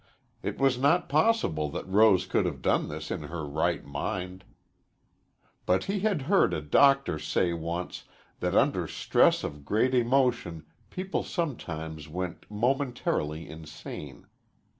It was not possible that Rose could have done this in her right mind. But he had heard a doctor say once that under stress of great emotion people sometimes went momentarily insane.